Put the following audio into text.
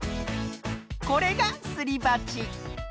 これがすりばち。